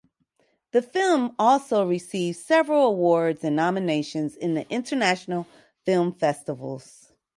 The film also received several awards and nominations in international film festivals.